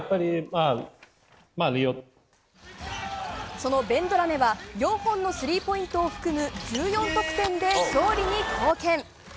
そのベンドラメは４本のスリーポイントを含む１４得点で勝利に貢献。